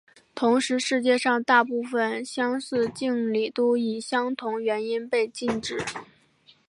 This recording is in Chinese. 同时世界上大部份相似敬礼都以相同原因被禁止。